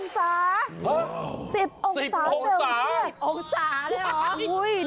๑๐องศาเสริมเชื่อ๑๐องศาเลยหรือ